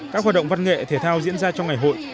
các hoạt động văn nghệ thể thao diễn ra trong ngày hội